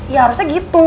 ya harusnya gitu